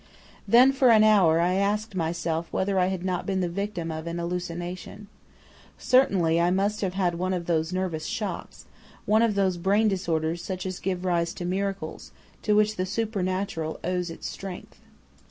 "Then for an hour I asked myself whether I had not been the victim of an hallucination. Certainly I must have had one of those nervous shocks, one of those brain disorders such as give rise to miracles, to which the supernatural owes its strength.